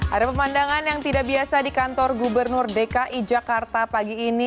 ada pemandangan yang tidak biasa di kantor gubernur dki jakarta pagi ini